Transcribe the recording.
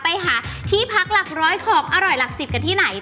ไปหาที่พักหลักร้อยของอร่อยหลักสิบกันที่ไหน